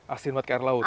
asin buat kayak laut